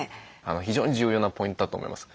非常に重要なポイントだと思います。